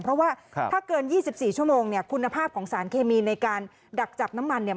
เพราะว่าถ้าเกิน๒๔ชั่วโมงเนี่ยคุณภาพของสารเคมีในการดักจับน้ำมันเนี่ย